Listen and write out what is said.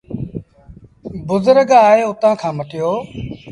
بزرگ آئي اُتآن کآݩ مٽيو۔